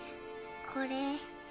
これ。